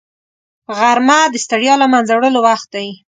غرمه د ستړیا له منځه وړلو وخت دی